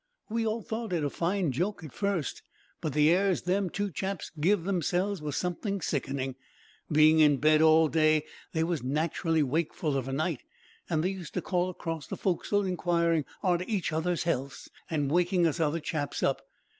"We all thought it a fine joke at first, but the airs them two chaps give themselves was something sickening. Being in bed all day, they was naturally wakeful of a night, and they used to call across the foc'sle inquiring arter each other's healths, an' waking us other chaps up.